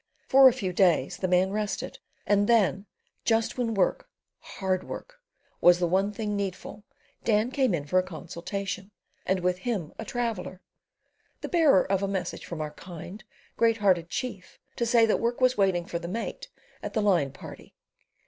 For a few days the man rested, and then, just when work—hard work—was the one thing needful, Dan came in for a consultation, and with him a traveller, the bearer of a message from our kind, great hearted chief to say that work was waiting for the mate at the line party.